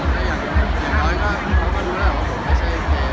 แต่อย่างน้อยก็ดูแลว่าอ่ะผมไม่ใช่แคล่อื้อ